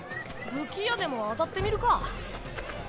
武器屋でも当たってみるか。